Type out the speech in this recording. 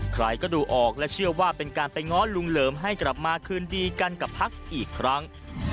ใครก็ดูออกและเชื่อว่าเป็นการไปง้อลุงเหลิมให้กลับมาคืนดีกันกับพักอีกครั้ง